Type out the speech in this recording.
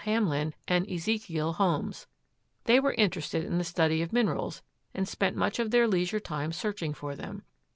Hamlin and Ezekiel Holmes. They were interested in the study of minerals and spent much of their leisure time searching for them.